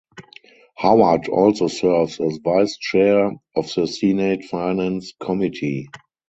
Howard also serves as vice chair of the Senate Finance Committee.